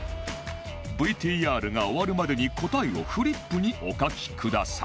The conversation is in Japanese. ＶＴＲ が終わるまでに答えをフリップにお書きください